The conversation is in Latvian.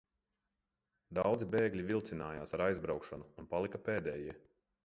Daudzi bēgļi vilcinājās ar aizbraukšanu un palika pēdējie.